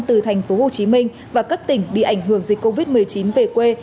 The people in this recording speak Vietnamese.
từ thành phố hồ chí minh và các tỉnh bị ảnh hưởng dịch covid một mươi chín về quê